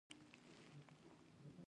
د برونشیت لپاره د زنجبیل چای وڅښئ